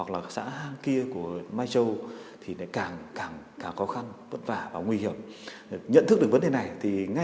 là một trong những lực lượng